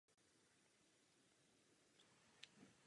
Její tělo je uloženo v kostele San Martino v Pise.